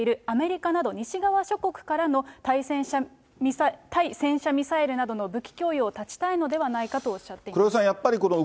アメリカなど西側諸国からの対戦車ミサイルなどの武器供与を断ちたいのではないかとおっしゃっています。